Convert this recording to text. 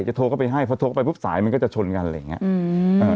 โทรเข้าไปให้พอโทรเข้าไปปุ๊บสายมันก็จะชนกันอะไรอย่างนี้